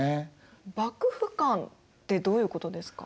幕府観ってどういうことですか？